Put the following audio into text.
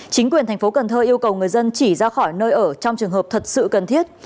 chính quyền thành phố cần thơ yêu cầu người dân chỉ ra khỏi nơi ở trong trường hợp thật sự cần thiết